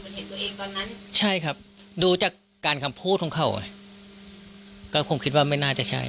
เห็นตัวเองตอนนั้นใช่ครับดูจากการคำพูดของเขาก็คงคิดว่าไม่น่าจะใช่